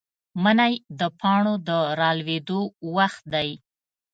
منی د پاڼو د رالوېدو وخت دی.